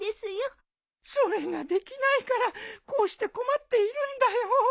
それができないからこうして困っているんだよ。